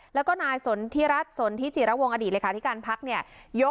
แล้วก็นายสนทิรัฐสนทิจิระวงอดีตเลขาธิการพักเนี่ย